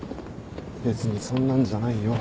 別にそんなんじゃないよ。